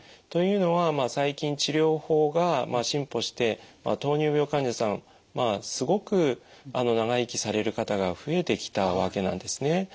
というのは最近治療法が進歩して糖尿病患者さんすごく長生きされる方が増えてきたわけなんですね。